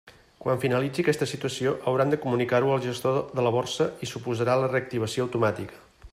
Quan finalitzi aquesta situació hauran de comunicar-ho al gestor de la borsa i suposarà la reactivació automàtica.